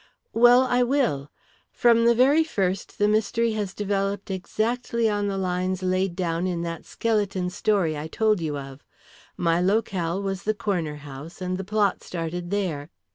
"Well, I will. From the very first the mystery has developed exactly on the lines laid down in that skeleton story I told you of. My locale was the corner house, and the plot started there.